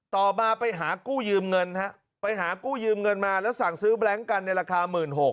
ต่อมาไปหากู้ยืมเงินฮะไปหากู้ยืมเงินมาแล้วสั่งซื้อแบล็งกันในราคา๑๖๐๐